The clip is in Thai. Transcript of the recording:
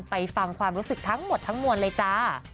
ฟังความรู้สึกทั้งหมดทั้งมวลเลยจ้า